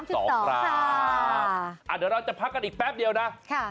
เดี๋ยวเราจะพักกันอีกแป๊บเดียวนะ